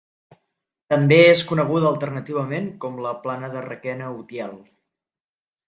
També és coneguda alternativament com la Plana de Requena-Utiel.